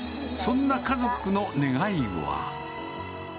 そんな家族の願いは。